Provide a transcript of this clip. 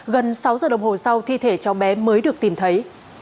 gần sáu giờ đồng hồ sau thi thể cháu bé mới được tìm thấy